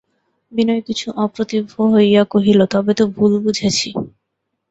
বিনয় কিছু অপ্রতিভ হইয়া কহিল, তবে তো ভুল বুঝেছি।